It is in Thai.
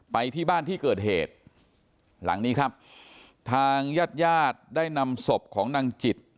ไปที่บ้านที่เกิดเหตุหลังนี้ครับทางญาติญาติได้นำศพของนางจิต